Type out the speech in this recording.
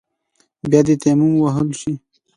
بيا دې تيمم ووهل شي.